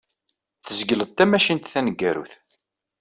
Tzegled tamacint taneggarut.